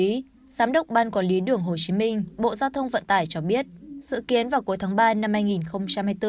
giám đốc ban quản lý đường hồ chí minh bộ giao thông vận tải cho biết sự kiến vào cuối tháng ba năm hai nghìn hai mươi bốn